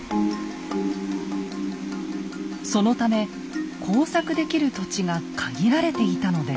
そのため耕作できる土地が限られていたのです。